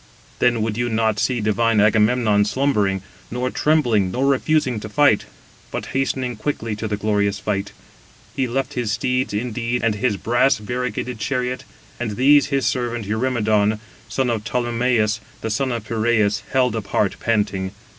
Then would you not see divine Agamemnon slumbering, nor trembling nor refusing to fight; but hastening quickly to the glorious fight. He left his steeds, indeed, and his brass variegated chariot; and these his servant Eurymedon, son of Ptolymæus, the son of Piräis, held apart panting.